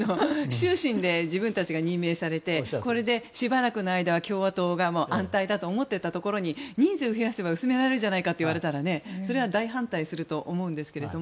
自分たちが任命されてこれでしばらくの間は共和党が安泰だといわれていたのに人数を増やせば薄められるじゃないかと言われたらそれは大反対するかと思うんですが。